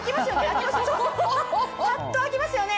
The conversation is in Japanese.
パッと開きますよね？